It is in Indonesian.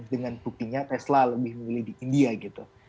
dengan buktinya tesla lebih memilih di india gitu